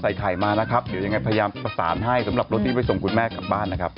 เดี๋ยวยังไงพยายามประสานให้สำหรับรถที่ไปส่งคุณแม่กลับบ้านนะครับ